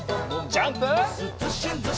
ジャンプ！